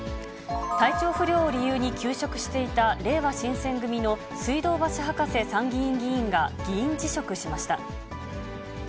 体調不良を理由に休職していたれいわ新選組の水道橋博士参議院議員が議員辞職しました。